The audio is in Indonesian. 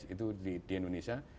itu di indonesia